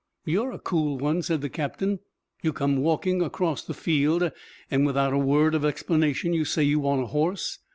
"You're a cool one," said the captain. "You come walking across the field, and without a word of explanation you say you want a horse.